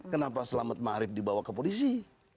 kenapa selamat ma'arif dibawa ke polisi